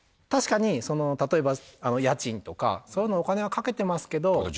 確かに、例えば、家賃とか、そういうのにお金はかけてますけど。